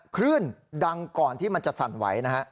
คลื่นดังก่อนที่มันจะสั่นไหวนะฮะ